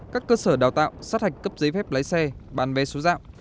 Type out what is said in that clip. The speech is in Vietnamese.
các cơ sở đào tạo sát hạch cấp giấy phép lái xe bàn vé số dạo